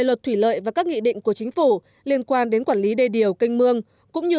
luật thủy lợi và các nghị định của chính phủ liên quan đến quản lý đê điều canh mương cũng như